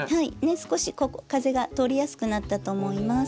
少し風が通りやすくなったと思います。